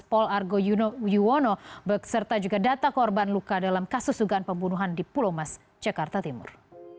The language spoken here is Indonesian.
pol argo yuwono beserta juga data korban luka dalam kasus dugaan pembunuhan di pulau mas jakarta timur